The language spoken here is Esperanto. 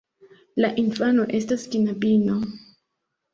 La infano estas knabino.